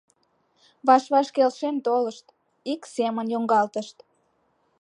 Ваш-ваш келшен толышт, ик семын йоҥгалтышт.